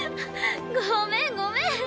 ごめんごめん！